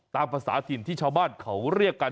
ตามภาษาถิ่นที่ชาวบ้านเขาเรียกกัน